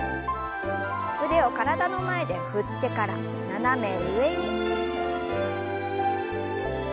腕を体の前で振ってから斜め上に。